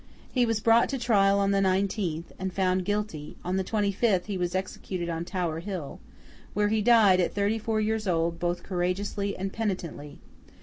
He was brought to trial on the nineteenth, and found guilty; on the twenty fifth, he was executed on Tower Hill, where he died, at thirty four years old, both courageously and penitently.